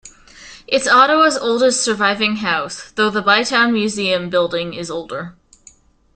It is Ottawa's oldest surviving house, though the Bytown Museum building is older.